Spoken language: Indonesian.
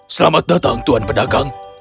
selamat datang tuan pedagang